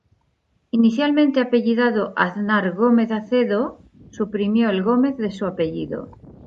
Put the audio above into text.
Inicialmente apellidado Aznar Gómez Acedo, suprimió el Gómez de su apellido.